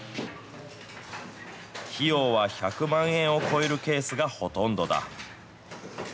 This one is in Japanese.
費用は１００万円を超えるケースがほとんどだ。